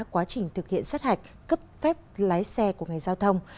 quá trình thực hiện sát hạch cấp phép lái xe của ngành giao thông